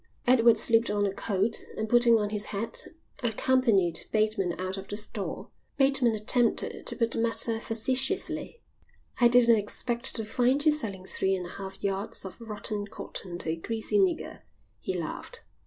Edward slipped on a coat and, putting on his hat, accompanied Bateman out of the store. Bateman attempted to put the matter facetiously. "I didn't expect to find you selling three and a half yards of rotten cotton to a greasy nigger," he laughed.